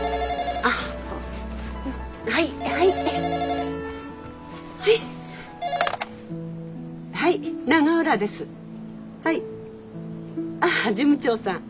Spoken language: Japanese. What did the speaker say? ああ事務長さん。